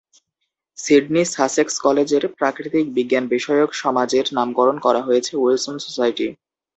Sydney Sussex কলেজের প্রাকৃতিক বিজ্ঞান বিষয়ক সমাজের নামকরণ করা হয়েছে উইলসন সোসাইটি।